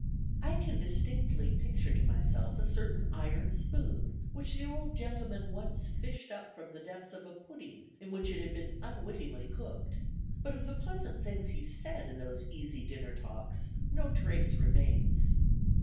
I can distinctly picture to myself a certain iron spoon which the old gentleman once fished up from the depths of a pudding in which it had been unwittingly cooked; but of the pleasant things he said in those easy dinner talks no trace remains."